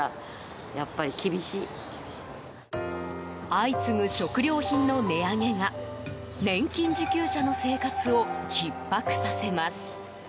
相次ぐ食料品の値上げが年金受給者の生活をひっ迫させます。